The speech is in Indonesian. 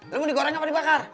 lu mau digoreng apa dibakar